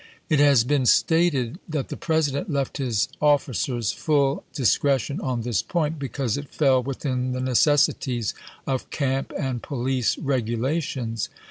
It has been stated that the President left his officers full discretion on this point, because it fell within the necessities of camp and police regulations.